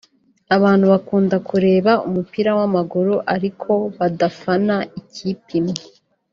Abantu bakunda kureba umupira w’amaguru ariko badafana ikipe imwe